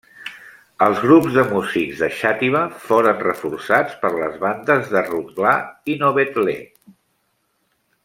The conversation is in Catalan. Els grups de músics de Xàtiva foren reforçats per les bandes de Rotglà i Novetlè.